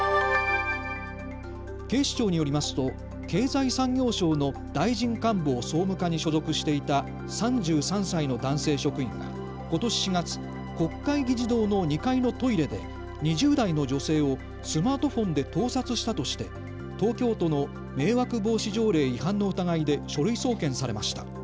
警視庁によりますと経済産業省の大臣官房総務課に所属していた３３歳の男性職員がことし４月、国会議事堂の２階のトイレで２０代の女性をスマートフォンで盗撮したとして東京都の迷惑防止条例違反の疑いで書類送検されました。